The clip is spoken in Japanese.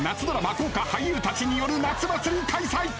豪華俳優たちによるクイズ大会開催！